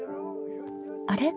あれ？